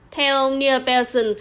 theo ông neil pelson